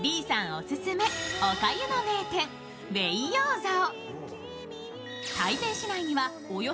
オススメおかゆの名店・ウェイヨーザオ。